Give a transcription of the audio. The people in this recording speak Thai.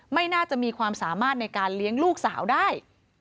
ไม่น่าจะมีความสามารถในการเลี้ยงลูกสาวได้